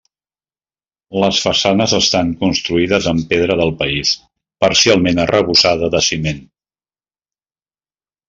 Les façanes estan construïdes amb pedra del país, parcialment arrebossada de ciment.